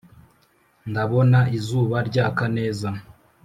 Ndabona izuba ryaka neza